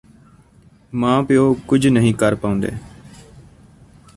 ਮਾਂ ਪਿਓ ਕੁਝ ਨਹੀਂ ਕਰ ਪਉਂਦੇ